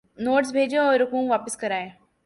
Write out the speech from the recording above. Notices بھیجیں اور رقوم واپس کرائیں۔